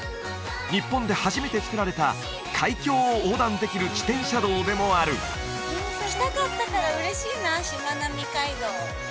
日本で初めてつくられた海峡を横断できる自転車道でもある来たかったから嬉しいなしまなみ海道